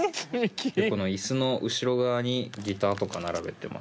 この椅子の後ろ側にギターとか並べてます。